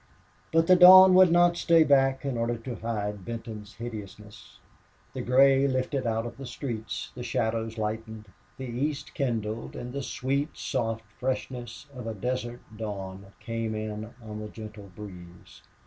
But the dawn would not stay back in order to hide Benton's hideousness. The gray lifted out of the streets, the shadows lightened, the east kindled, and the sweet, soft freshness of a desert dawn came in on the gentle breeze.